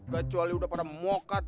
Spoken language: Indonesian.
gak kecuali udah pada mokad